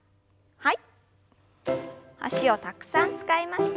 はい。